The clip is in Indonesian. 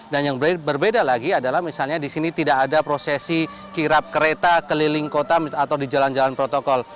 dan yang berbeda lagi adalah misalnya di sini tidak ada prosesi kirap kereta keliling kota atau di jalan jalan protokol